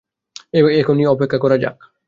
এখানেই অপেক্ষা করা যাক।